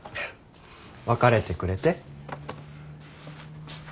別れてくれて？